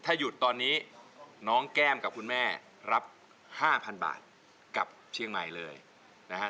ถ้าหยุดตอนนี้น้องแก้มกับคุณแม่รับ๕๐๐๐บาทกับเชียงใหม่เลยนะฮะ